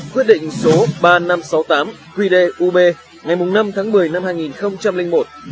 quyết định số ba nghìn năm trăm sáu mươi tám quy đê ub ngày năm tháng một mươi năm hai nghìn một